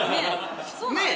ねえ？